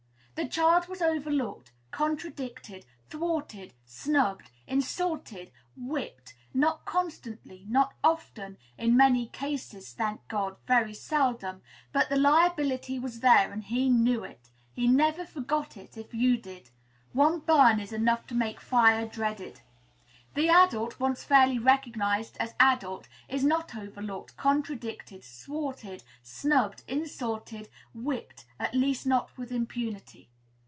The child was overlooked, contradicted, thwarted, snubbed, insulted, whipped; not constantly, not often, in many cases, thank God, very seldom. But the liability was there, and he knew it; he never forgot it, if you did. One burn is enough to make fire dreaded. The adult, once fairly recognized as adult, is not overlooked, contradicted, thwarted, snubbed, insulted, whipped; at least, not with impunity.